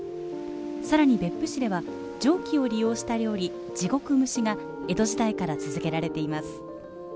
さらに、別府市では蒸気を利用した料理、地獄蒸しが江戸時代から続けられています。